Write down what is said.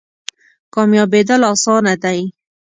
کامیابیدل اسانه دی؟